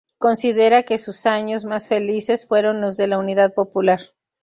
Considera que sus años más felices fueron los de la Unidad Popular.